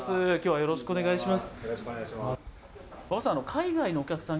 よろしくお願いします。